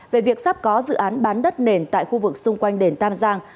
về việc sắp có dự án bán đất nền tại khu vực xung quanh đền tam giang